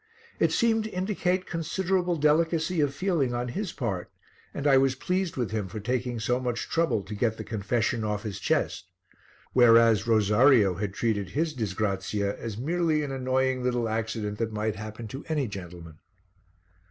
It seemed to indicate considerable delicacy of feeling on his part and I was pleased with him for taking so much trouble to get the confession off his chest. Whereas Rosario had treated his disgrazia as merely an annoying little accident that might happen to any gentleman.